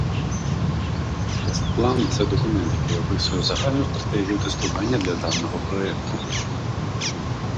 Тест План - це документ, який описує загальну стратегію тестування для даного проекту.